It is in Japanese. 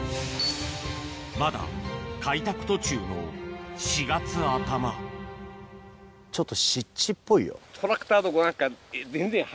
まだ開拓途中の４月頭ちょっと。